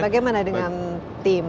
bagaimana dengan tim